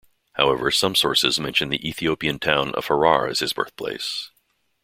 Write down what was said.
However, some sources mention the Ethiopian town of Harar as his birthplace.